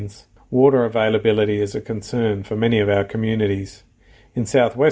kedampakan air adalah keinginan bagi banyak komunitas kita